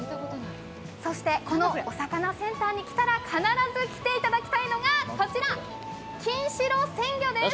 そしてこのお魚センターに来たら必ず来ていただきたいのがこちらきんしろ鮮魚です。